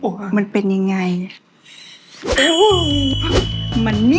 พี่ถึกจ้าชายหญิงอยู่ในห้องด้วยกันซะ